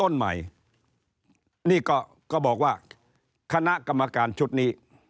นี่ก็บอกว่าคณะกรรมการชุดนี้